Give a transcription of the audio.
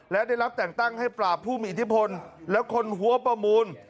และได้รับแต่งตั้งให้ปราบผู้มีอิทธิพลและคนหัวประมูล